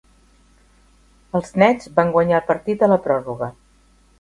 Els Nets van guanyar el partit a la pròrroga.